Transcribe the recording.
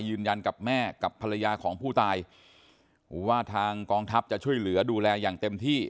ยืนยันกับแม่กับภรรยาของผู้ตายว่าทางกองทัพจะช่วยเหลือดูแลอย่างเต็มที่